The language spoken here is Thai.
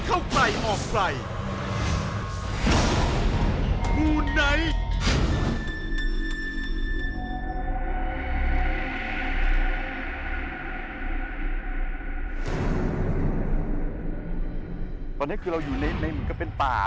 ตอนนี้คือเราอยู่ในเหมือนกับเป็นป่า